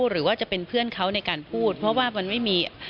หรือว่าจะเป็นเพื่อนเขาในการพูดเพราะว่ามันไม่มี